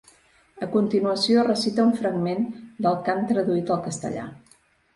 A continuació recita un fragment del cant traduït al castellà.